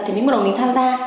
thì mình bắt đầu mình tham gia